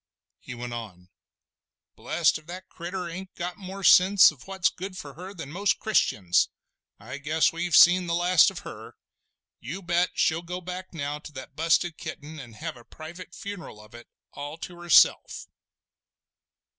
He went on: "Blest if that ar critter ain't got more sense of what's good for her than most Christians. I guess we've seen the last of her! You bet, she'll go back now to that busted kitten and have a private funeral of it, all to herself!"